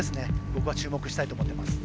僕は注目したいと思っています。